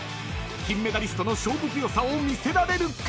［金メダリストの勝負強さを見せられるか！？］